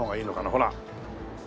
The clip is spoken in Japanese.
ほら。